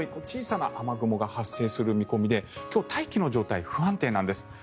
小さな雨雲が発生する見込みで今日、大気の状態が不安定なんです。